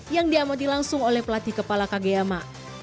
yang diamati langsung oleh pelatih kepala kageyama